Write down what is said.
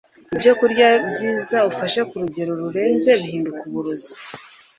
ibyo kurya byiza ufashe ku rugero rurenze bihinduka uburozi